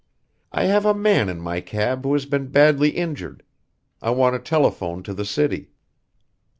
I have a man in my cab who has been badly injured. I want to telephone to the city."